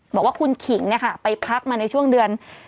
บอกว่าคุณขิงเนี่ยค่ะไปพักมาในช่วงเดือน